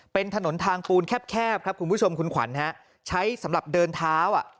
เป็นถนนทางปูนแคบครับคุณผู้ชมคุณขวัญฮะใช้สำหรับเดินเท้าอ่ะ